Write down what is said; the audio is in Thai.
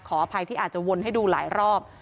อภัยที่อาจจะวนให้ดูหลายรอบ